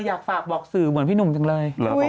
อยากฝากบอกสื่อเหมือนพี่หนุ่มจังเลย